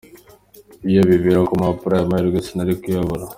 Iyo bibera ku mpapuro aya mahirwe sinari kuyabura.